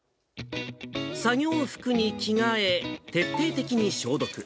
作業服に着替え、徹底的に消毒。